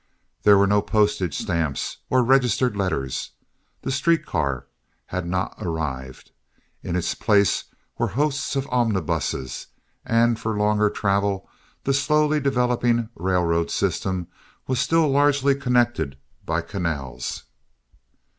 There were no postage stamps or registered letters. The street car had not arrived. In its place were hosts of omnibuses, and for longer travel the slowly developing railroad system still largely connected by canals.